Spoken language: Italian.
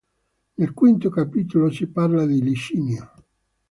Nel quinto capitolo si parla di Licinio.